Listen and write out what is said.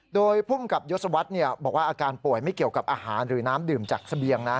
โดยภูมิกับยศวรรษบอกว่าอาการป่วยไม่เกี่ยวกับอาหารหรือน้ำดื่มจากเสบียงนะ